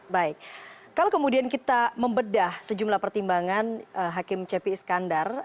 baik kalau kemudian kita membedah sejumlah pertimbangan hakim cepi iskandar